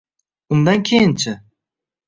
Undan keyin-chi?